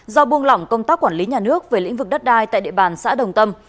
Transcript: do buông lỏng công tác quản lý nhà nước về lĩnh vực đất đai tại địa bàn xã đồng tâm